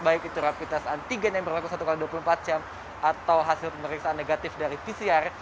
baik itu rapid test antigen yang berlaku satu x dua puluh empat jam atau hasil pemeriksaan negatif dari pcr